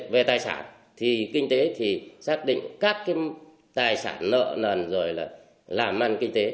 về tài sản thì kinh tế thì xác định các cái tài sản nợ nần rồi là làm ăn kinh tế